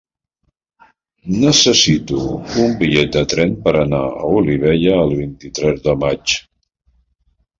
Necessito un bitllet de tren per anar a Olivella el vint-i-tres de maig.